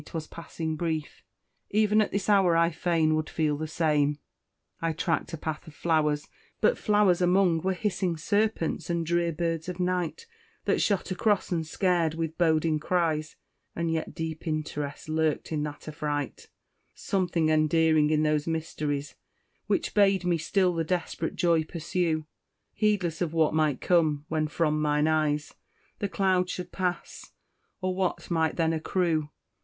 'twas passing brief, Even at this hour I fain would feel the same! I track'd a path of flowers but flowers among Were hissing serpents and drear birds of night, That shot across and scared with boding cries; And yet deep interest lurked in that affright, Something endearing in those mysteries, Which bade me still the desperate joy pursue, Heedless of what might come when from mine eyes The cloud should pass, or what might then accrue.